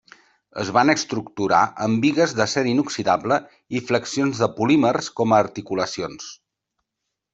Es van estructurar amb bigues d’acer inoxidable i flexions de polímers com a articulacions.